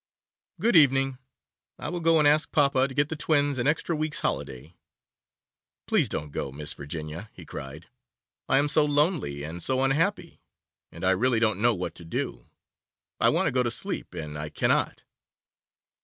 'Good evening; I will go and ask papa to get the twins an extra week's holiday.' 'Please don't go, Miss Virginia,' he cried; 'I am so lonely and so unhappy, and I really don't know what to do. I want to go to sleep and I cannot.